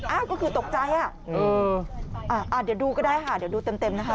ก็คือตกใจอ่ะเดี๋ยวดูก็ได้ค่ะเดี๋ยวดูเต็มนะคะ